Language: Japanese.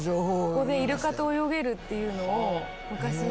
ここでイルカと泳げるっていうのを昔見て。